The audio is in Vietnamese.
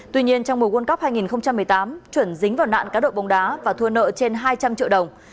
tuy nhiên trong mùa quân cấp hai nghìn một mươi tám chuẩn dính vào nạn các đội bóng đá và thua nợ trên hai trăm linh triệu đồng